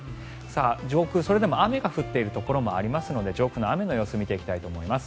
それでも雨が降っているところもありますので上空の雨の様子見ていきたいと思います。